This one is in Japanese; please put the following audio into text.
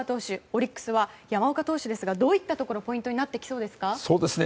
オリックスは山岡投手ですかどういったところがポイントになってきそうですか？